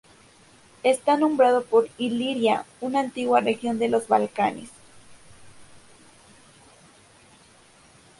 Está nombrado por Iliria, una antigua región de los Balcanes.